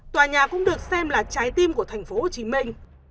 tòa nhà cũng được xem là trái tim của thành phố hồ chí minh